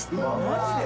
マジで？